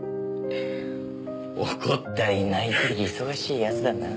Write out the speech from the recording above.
怒ったり泣いたり忙しいやつだな。